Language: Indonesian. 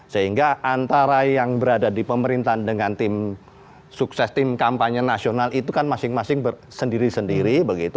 sehingga antara yang berada di pemerintahan dengan tim sukses tim kampanye nasional itu kan masing masing sendiri sendiri begitu